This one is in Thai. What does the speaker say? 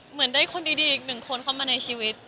เหมือนได้คนดีอีกหนึ่งคนเข้ามาในชีวิต